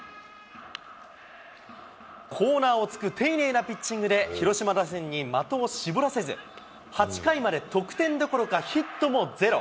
コーナーを突く丁寧なピッチングで、広島打線に的を絞らせず、８回まで得点どころかヒットもゼロ。